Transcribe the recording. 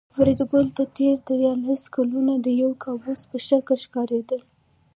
فریدګل ته تېر دیارلس کلونه د یو کابوس په شکل ښکارېدل